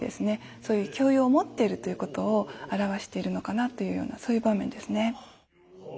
そういう教養を持ってるということをあらわしているのかなというようなそういう場面ですね。